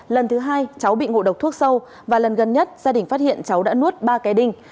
lần thứ hai cháu bị ngộ độc thuốc sâu và lần gần nhất gia đình phát hiện cháu đã nuốt ba cái đinh